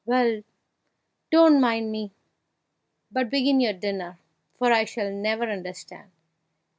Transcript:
Well, don't mind me, but begin your dinner, for I shall never understand!"